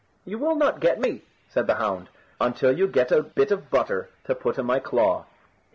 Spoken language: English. "You will not get me," said the hound, "until you get a bit of butter to put in my claw."